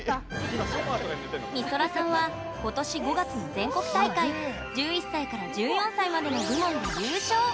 みそらさんはことし５月の全国大会１１歳から１４歳までの部門で優勝！